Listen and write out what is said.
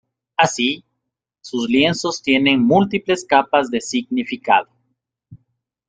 Así, sus lienzos tienen múltiples capas de significado.